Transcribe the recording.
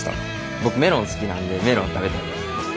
僕メロン好きなんでメロン食べたいです。